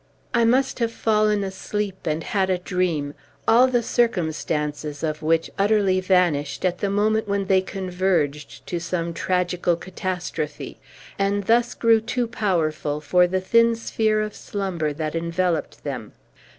I must have fallen asleep, and had a dream, all the circumstances of which utterly vanished at the moment when they converged to some tragical catastrophe, and thus grew too powerful for the thin sphere of slumber that enveloped them.